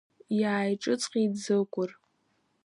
Иааиҿыҵҟьеит Ӡыкәыр.